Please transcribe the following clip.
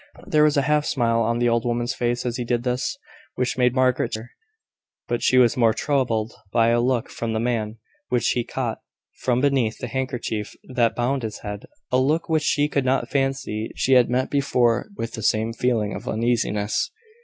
There was a half smile on the old woman's face as he did this, which made Margaret shudder; but she was more troubled by a look from the man, which she caught from beneath the handkerchief that bound his head; a look which she could not but fancy she had met before with the same feeling of uneasiness.